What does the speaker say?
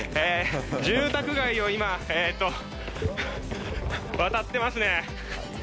住宅街を今、渡ってますね。